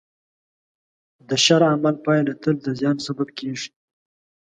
د شر عمل پایله تل د زیان سبب کېږي.